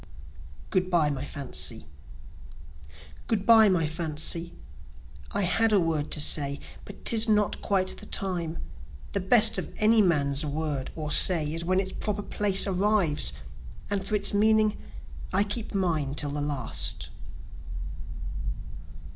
Good Bye My Fancy Good bye my fancy (I had a word to say, But 'tis not quite the time The best of any man's word or say, Is when its proper place arrives and for its meaning, I keep mine till the last.)